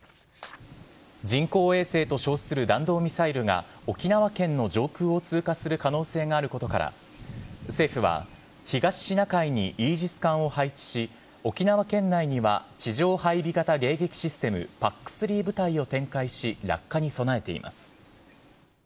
人工衛星と称する弾道ミサイルが沖縄県の上空を通過する可能性があることから、政府は、東シナ海にイージス艦を配置し、沖縄県内には地上配備型迎撃システム、ＰＡＣ３部隊を展開し、落下に備えています。